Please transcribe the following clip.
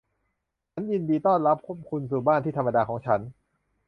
ฉันยินดีต้อนรับคุณสู่บ้านที่ธรรมดาของฉัน